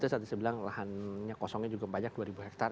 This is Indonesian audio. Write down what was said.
saya tadi saya bilang lahannya kosongnya juga banyak dua ribu hektare